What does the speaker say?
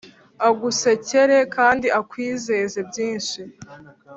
agusekere kandi akwizeze byinshi,